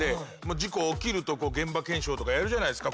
事故起きると現場検証とかやるじゃないですか。